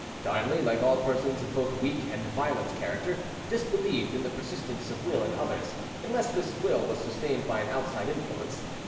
Darnley, like all persons of both weak and violent character, disbelieved in the persistence of will in others, unless this will was sustained by an outside influence.